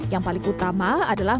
yang paling utama adalah